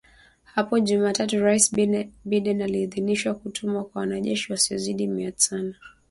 Hapo Jumatatu Rais Biden aliidhinisha kutumwa kwa wanajeshi wasiozidi mia tano